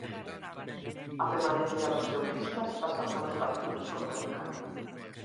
A permanencia dos teucristas pasa polos partidos como local.